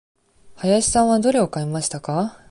林さんはどれを買いましたか。